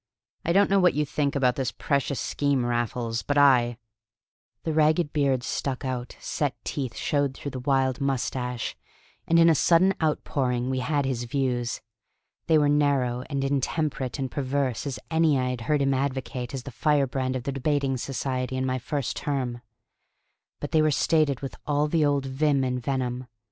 I don't know what you think about this precious scheme Raffles, but I..." The ragged beard stuck out, set teeth showed through the wild moustache, and in a sudden outpouring we had his views. They were narrow and intemperate and perverse as any I had heard him advocate as the firebrand of the Debating Society in my first term. But they were stated with all the old vim and venom.